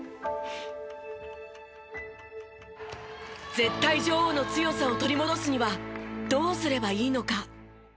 絶対女王の強さを取り戻すにはどうすればいいのか。